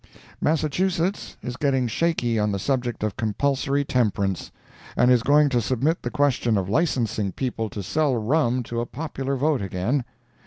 Massachusetts is getting shaky on the subject of compulsory temperance, and is going to submit the question of licensing people to sell rum to a popular vote again.